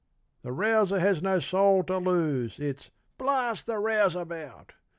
_The rouser has no soul to lose it's blarst the rouseabout!